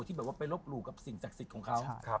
ที่แบบว่าไปลบหลู่กับสิ่งศักดิ์สิทธิ์ของเขา